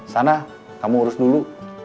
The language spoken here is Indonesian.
sana kamu urus dulu